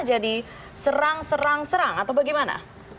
jadi serang serang serang atau bagaimana